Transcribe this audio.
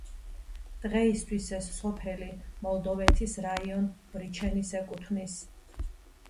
დღეისთვის ეს სოფელი მოლდოვეთის რაიონ ბრიჩენის ეკუთვნის.